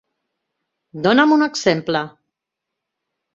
Dona'm un exemple.